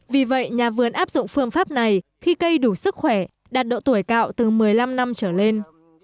vì vậy nhà vườn áp dụng phương pháp này khi cây đủ sức khỏe đạt độ tuổi cao từ một mươi năm năm trở lên